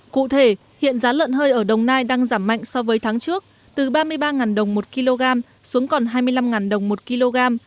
cụ thể hiện giá lợn hơi ở đồng nai đang giảm mạnh so với tháng trước từ ba mươi ba đồng một kg xuống còn hai mươi năm đồng một kg